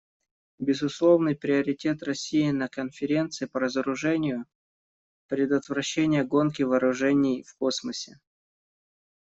Безусловный приоритет России на Конференции по разоружению − предотвращение гонки вооружений в космосе.